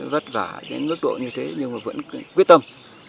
vất vả đến mức độ như thế nhưng mà vẫn quyết tâm